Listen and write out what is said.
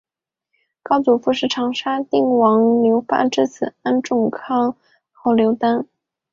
高祖父是长沙定王刘发之子安众康侯刘丹。